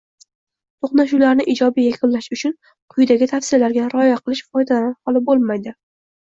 To‘qnashuvlarni ijobiy yakunlash uchun quyidagi tavsiyalarga rioya qilish foydadan xoli bo‘lmaydi.